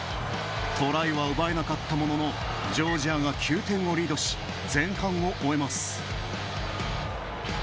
トライは奪えなかったもののジョージアが９点をリードし前半を終えます。